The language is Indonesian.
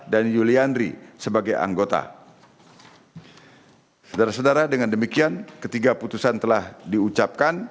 dan yuli andri sebagai anggota